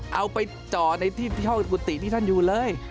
เอาไปจ่อในที่ห้องกุฏิที่ท่านอยู่เลย